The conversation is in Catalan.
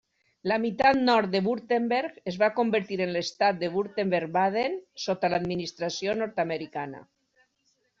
La meitat nord de Württemberg es va convertir en l'estat de Württemberg-Baden sota l'administració nord-americana.